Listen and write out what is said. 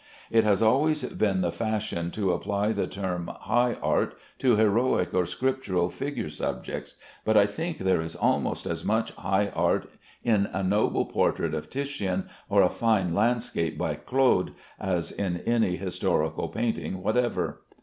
It has always been the fashion to apply the term "high art" to heroic or Scriptural figure subjects, but I think there is almost as much high art in a noble portrait of Titian or a fine landscape by Claude as in any historical painting whatever.